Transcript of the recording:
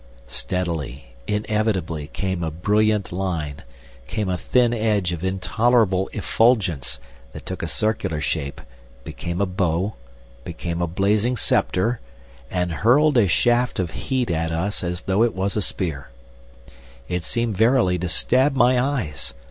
Steadily, inevitably came a brilliant line, came a thin edge of intolerable effulgence that took a circular shape, became a bow, became a blazing sceptre, and hurled a shaft of heat at us as though it was a spear. It seemed verily to stab my eyes!